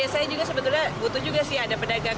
saya juga sebetulnya butuh juga sih ada pedagang